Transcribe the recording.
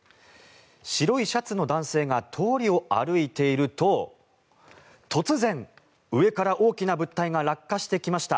白いシャツの男性が通りを歩いていると突然、上から大きな物体が落下してきました。